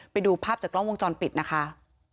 ไปดูภาพจากกล้องวงจรปิดนะคะ